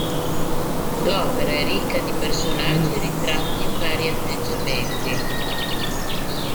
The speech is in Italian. L'opera è ricca di personaggi ritratti in vari atteggiamenti.